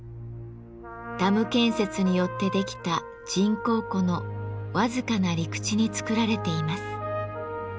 ダム建設によってできた人工湖の僅かな陸地に造られています。